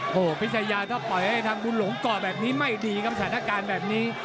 โอ้โหพิชยาถ้าปล่อยให้ทำบุญหลงก่อแบบนี้ไม่ดีครับสถานการณ์แบบนี้